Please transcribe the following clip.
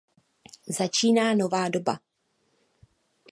Začíná nová doba.